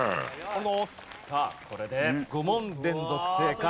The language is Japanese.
さあこれで５問連続正解。